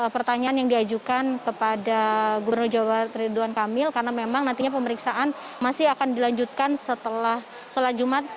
pertanyaan yang diajukan kepada gubernur jawa ridwan kamil karena memang nantinya pemeriksaan masih akan dilanjutkan setelah sholat jumat